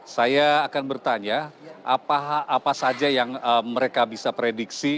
saya akan bertanya apa saja yang mereka bisa prediksi